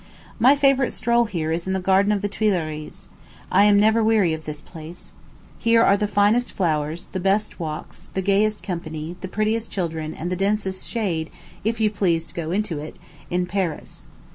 My favorite stroll here is in the Garden of the Tuileries. I am never weary of this place. Here are the finest flowers, the best walks, the gayest company, the prettiest children, and the densest shade, if you please to go into it, in Paris.